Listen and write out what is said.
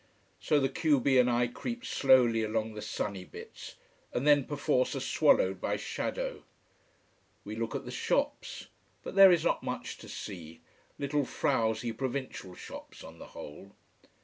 So the q b and I creep slowly along the sunny bits, and then perforce are swallowed by shadow. We look at the shops. But there is not much to see. Little, frowsy provincial shops, on the whole.